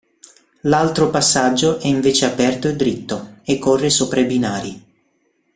L'altro passaggio è invece aperto e dritto, e corre sopra i binari.